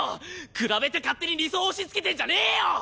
比べて勝手に理想押しつけてんじゃねえよ！